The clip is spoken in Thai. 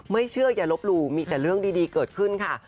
ไม่เชื่ออย่าลบหลู่มีแต่เรื่องดีเกิดขึ้นค่ะ